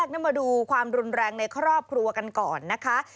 นี่มาดูความรุนแรงในครอบครัวกันก่อนนะคะ